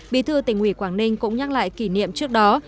bí thư tỉnh ủy quảng ninh cũng nhắc lại kỷ niệm trước đó